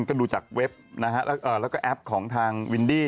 ซึ่งดูจากเว็บและแอปของทางวินดี้